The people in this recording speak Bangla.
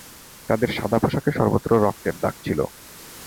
তাঁদের সাদা পোশাকে সর্বত্র রক্তের দাগ ছিল।